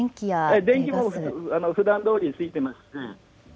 電気もふだんどおりついています。